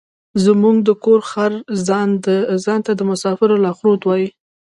زموږ د کور خر ځان ته د مسافرو لارښود وايي.